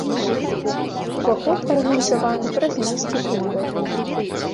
Уваход арганізаваны праз нізкі прытвор.